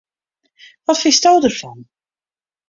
Wat fynsto derfan?